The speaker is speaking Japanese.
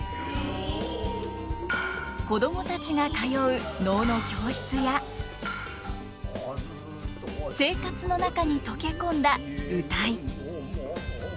子供たちが通う能の教室や生活の中に溶け込んだ謡。